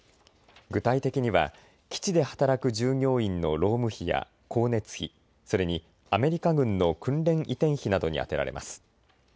具体的には基地で働く従業員の労務費や光熱費、それにアメリカ軍の訓練移転費などに充てられます。